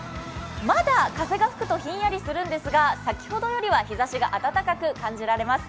まだ風が吹くとひんやりするんですが先ほどよりは日ざしが暖かく感じられます。